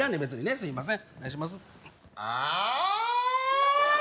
すいません